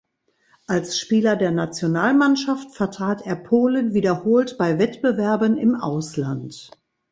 Als Spieler der Nationalmannschaft vertrat er Polen wiederholt bei Wettbewerben im Ausland.